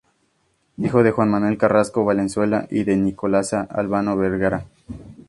Hijo de Juan Manuel Carrasco Valenzuela y de Nicolasa Albano Vergara.